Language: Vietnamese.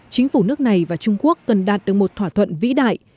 chính phủ nước này và trung quốc cần đạt được một thỏa thuận vĩ đại